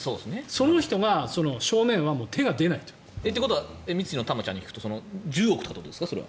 その人が正面は手が出ないと。ということは三井のたまちゃんに聞くとそれは１０億ということですか？